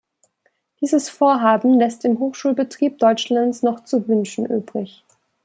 Dieses Vorhaben lässt im Hochschulbetrieb Deutschlands noch zu wünschen übrig.